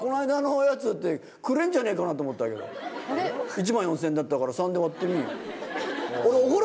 １万４０００円だったから３で割ってみ？